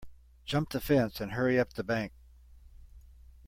Jump the fence and hurry up the bank.